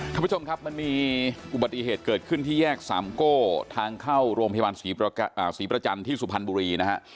ท่านผู้ชมครับมันมีอุบัติเหตุเกิดขึ้นที่แยกสามโก้ทางเข้าโรงพยาบาลศรีประจันทร์ที่สุพรรณบุรีนะฮะ